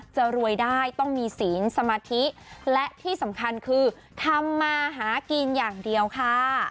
จะรวยได้ต้องมีศีลสมาธิและที่สำคัญคือทำมาหากินอย่างเดียวค่ะ